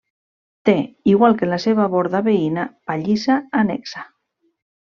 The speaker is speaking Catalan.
Té, igual que la seva borda veïna, pallissa annexa.